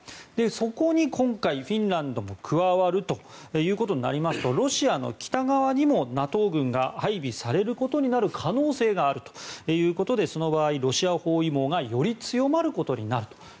そこに今回、フィンランドも加わるということになりますとロシアの北側にもＮＡＴＯ軍が配備されることになる可能性があるということでその場合、ロシア包囲網がより強まることになると。